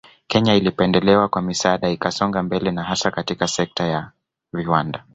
Kenya ilipendelewa kwa misaada ikasonga mbele na hasa katika sekta ya viwanda